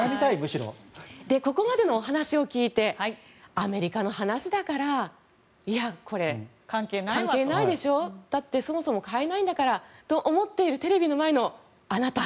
ここまでの話を聞いてアメリカの話だからいや、これ、関係ないでしょだってそもそも買えないんだからと思っているテレビの前のあなた。